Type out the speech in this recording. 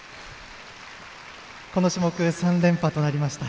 この種目３連覇となりました。